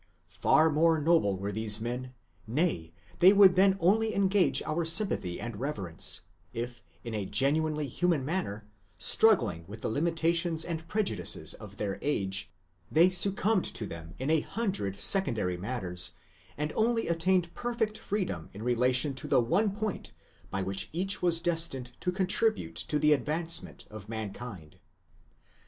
Far more noble were these men, nay, they would then only engage our sympathy and reverence, if, in a genuinely human manner, struggling with the limita tions and prejudices of their age, they succumbed to them in a hundred secondary matters, and only attained perfect freedom in relation to the one point by which each was destined to contribute to the advancement of man kind.